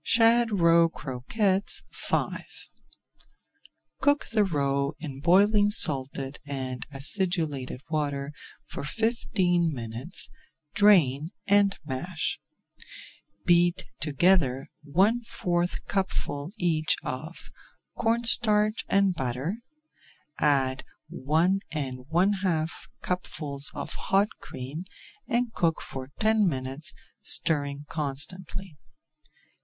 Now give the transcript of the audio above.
SHAD ROE CROQUETTES V Cook the roe in boiling salted and acidulated water for fifteen minutes, drain, and mash. Beat together one fourth cupful each of corn starch and butter, add one and one half cupfuls of hot cream, and cook for ten minutes, stirring constantly.